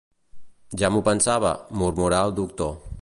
Ja m'ho pensava –murmurà el doctor.